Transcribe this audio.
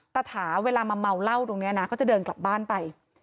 ถาเวลามาเมาเหล้าตรงนี้นะก็จะเดินกลับบ้านไป